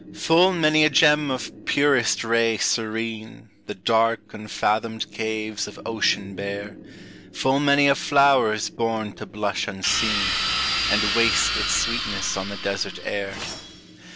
Full many a gem of purest ray serene; The dark, unfathomed caves of ocean bear; Full many a flower is born to blush unseen, And waste its sweetness on the desert air.